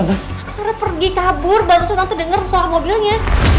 kelara pergi kabur baru senang terdengar suara mobilnya